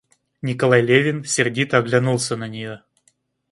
Николай Левин сердито оглянулся на нее.